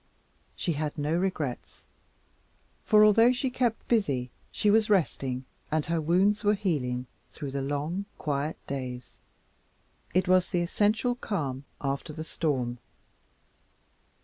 She had no regrets, for although she kept busy she was resting and her wounds were healing through the long, quiet days. It was the essential calm after the storm.